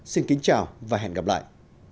xin kính chào và hẹn gặp lại